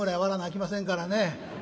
きませんからね。